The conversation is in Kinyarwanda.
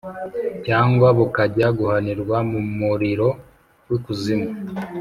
cyangwa bukajya guhanirwa mu muriro w’ikuzimu.